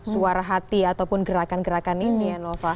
suara hati ataupun gerakan gerakan ini ya nova